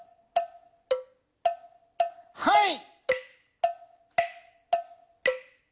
はい。